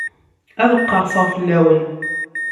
Ad qerseɣ fell-awen.